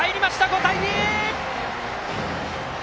５対２！